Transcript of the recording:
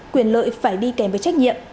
quyền lợi phải đi kèm với trách nhiệm